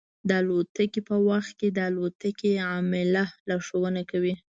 د الوتنې په وخت کې د الوتکې عمله لارښوونه کوي.